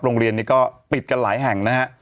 โรงเรียนนี้ก็ปิดกันหลายแห่งนะฮะ